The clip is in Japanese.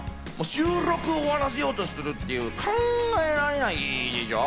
収録終わらそうとするっていう、考えられないでしょ？